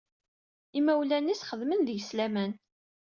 Imawlan-is xeddmen deg-s laman.